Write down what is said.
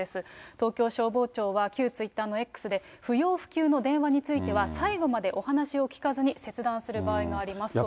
東京消防庁は、旧ツイッターのＸで、不要不急の電話については、最後までお話を聞かずに切断する場合もありますとしています。